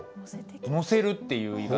「のせる」っていう言い方。